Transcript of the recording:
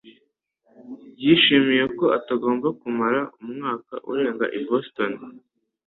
yishimiye ko atagomba kumara umwaka urenga i Boston.